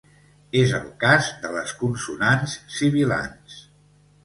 És el cas de les consonants sibilants.